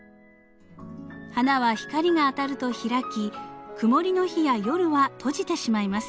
花は光が当たると開き曇りの日や夜は閉じてしまいます。